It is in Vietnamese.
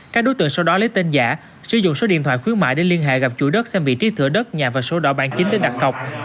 các đối tượng sau đó lấy tên giả sử dụng số điện thoại khuyến mại để liên hệ gặp chủ đất xem vị trí thửa đất nhà và số đỏ bản chính để đặt cọc